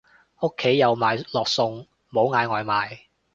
屋企有買落餸，冇嗌外賣